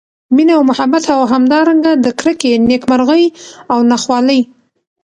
مېنه او محبت او همدا رنګه د کرکي، نیک مرغۍ او نا خوالۍ